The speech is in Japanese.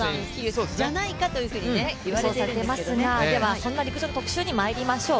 そんな陸上の特集にまいりましょう。